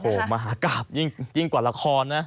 โอ้โหมหากราบยิ่งกว่าละครนะ